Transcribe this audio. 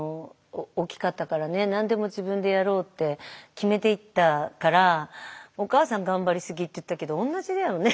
何でも自分でやろうって決めて行ったからお母さん頑張り過ぎって言ったけど同じだよね。